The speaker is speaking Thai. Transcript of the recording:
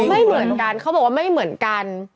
ไม่เหมือนกันเขาบอกว่าไม่เหมือนกัน